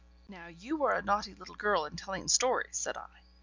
'Now you are a naughty little girl, and telling stories,' said I.